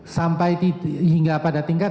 sampai hingga pada tingkat